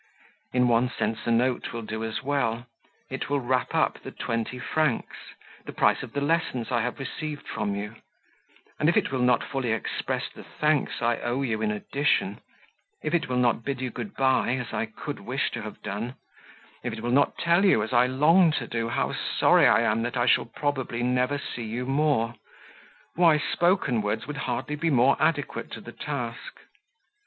In one sense a note will do as well it will wrap up the 20 francs, the price of the lessons I have received from you; and if it will not fully express the thanks I owe you in addition if it will not bid you good bye as I could wish to have done if it will not tell you, as I long to do, how sorry I am that I shall probably never see you more why, spoken words would hardly be more adequate to the task.